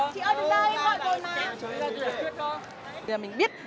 chị ơi đứng đây em gọi rồi mà